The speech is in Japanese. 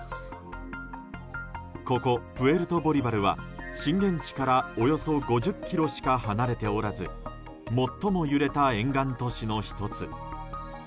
ここ、プエルトボリバルは震源地からおよそ５０ｋｍしか離れておらず最も揺れた沿岸都市の１つ。